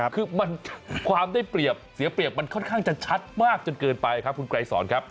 คือความได้เปรียบเสียเปรียบมันค่อนข้างจะชัดมากจนเกินไปครับคุณไกรสอนครับ